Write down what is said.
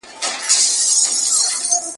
هغه ځوان چې له کبابي سره و اوس لاړ.